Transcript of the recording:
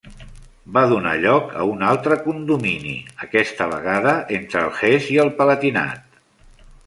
Va donar lloc a un altre condomini, aquesta vegada entre el Hesse i el Palatinat.